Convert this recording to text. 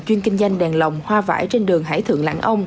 chuyên kinh doanh đèn lồng hoa vải trên đường hải thượng lãn ông